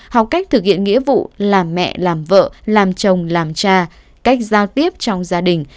học cách thực hiện nghĩa vụ làm mẹ làm vợ làm chồng làm cha cách giao tiếp trong gia đình